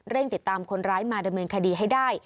ติดตามคนร้ายมาดำเนินคดีให้ได้